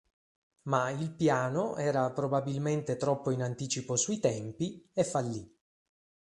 Ma il piano era probabilmente troppo in anticipo sui tempi e fallì.